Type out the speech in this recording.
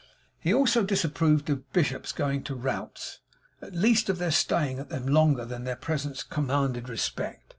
He also disapproved of bishops going to routs, at least of their staying at them longer than their presence commanded respect.